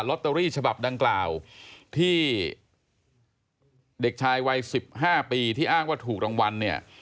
ตเตอรี่ฉบับดังกล่าวที่เด็กชายวัย๑๕ปีที่อ้างว่าถูกรางวัลเนี่ย